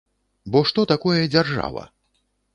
Бо што такое дзяржава?